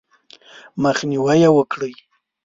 مخنیوی یې وکړئ :